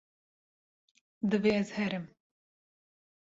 Divê ez herim.